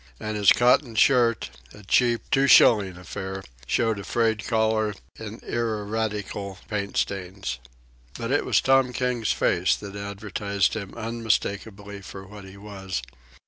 And his cotton shirt, a cheap, two shilling affair, showed a frayed collar and ineradicable paint stains. But it was Tom King's face that advertised him unmistakably for what he was.